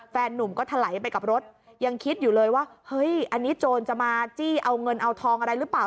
แฟนนุ่มก็ถลายไปกับรถยังคิดอยู่เลยว่าเฮ้ยอันนี้โจรจะมาจี้เอาเงินเอาทองอะไรหรือเปล่า